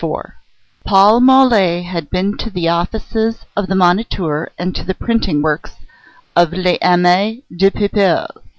IV Paul Mole had been to the offices of the Moniteur and to the printing works of L'Ami du Peuple.